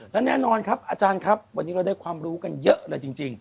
และแน่นอนครับอาจารย์ครับวันนี้เราได้ความรู้กันเยอะเลยจริง